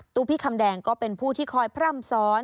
พี่คำแดงก็เป็นผู้ที่คอยพร่ำซ้อน